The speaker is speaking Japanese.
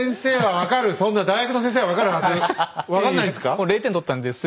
分かんないんですか？